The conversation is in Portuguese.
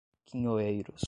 quinhoeiros